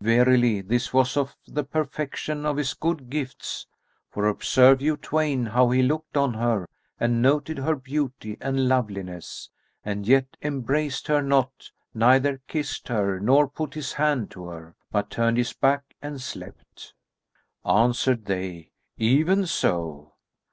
Verily, this was of the perfection of his good gifts; for observe you twain how he looked on her and noted her beauty and loveliness, and yet embraced her not neither kissed her nor put his hand to her, but turned his back and slept." Answered they, "Even so!"